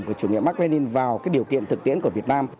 của chủ nghĩa mạc lên lên vào điều kiện thực tiễn của việt nam